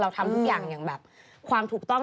ทำทุกอย่างอย่างแบบความถูกต้อง